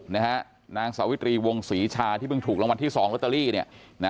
นางสาวิตรีวงศรีชาที่เพิ่งถูกรางวัลที่๒ลอตเตอรี่เนี่ยนะ